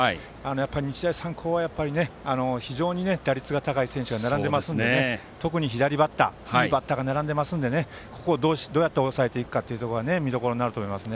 日大三高は非常に打率が高い選手が並んでいますので特に左バッターにいいバッターが並んでいるのでここをどうやって抑えていくかが見どころになると思います。